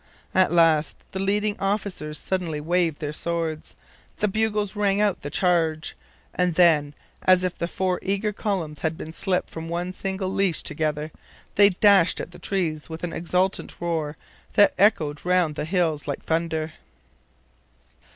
At last the leading officers suddenly waved their swords, the bugles rang out the CHARGE! and then, as if the four eager columns had been slipped from one single leash together, they dashed at the trees with an exultant roar that echoed round the hills like thunder.